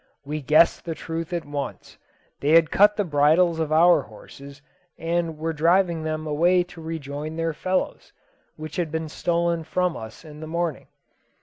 We guessed the truth at once. They had cut the bridles of our horses, and were driving them away to rejoin their fellows, which had been stolen from us in the morning.